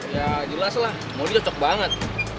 ya jelas lah mobil cocok banget